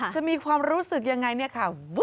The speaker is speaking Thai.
จะมีความรู้สึกยังไงเนี่ยค่ะ